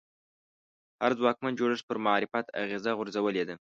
هر ځواکمن جوړښت پر معرفت اغېزه غورځولې ده